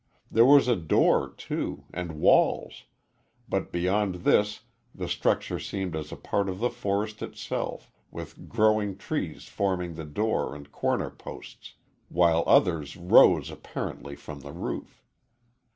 There was a door, too, and walls, but beyond this the structure seemed as a part of the forest itself, with growing trees forming the door and corner posts, while others rose apparently from the roof.